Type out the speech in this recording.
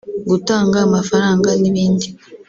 gutanga amafaranga n’ibindi